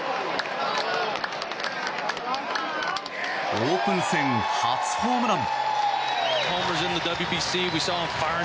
オープン戦、初ホームラン！